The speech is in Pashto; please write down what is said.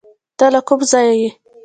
ته له کوم ځایه یې؟